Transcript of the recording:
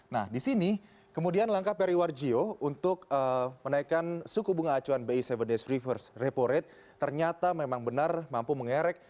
nah di sini kemudian langkah periwar jio untuk menaikkan suku bunga acuan bi tujuh days reverse repo rate ternyata memang benar mampu mengerek